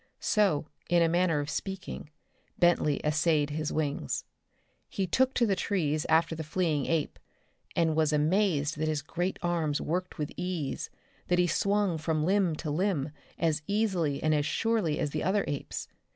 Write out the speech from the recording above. So, in a manner of speaking, Bentley essayed his wings. He took to the trees after the fleeing ape, and was amazed that his great arms worked with ease, that he swung from limb to limb as easily and as surely as the other apes.